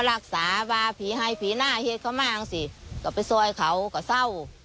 ร่างทรงรือศรีเนี่ยนะคะ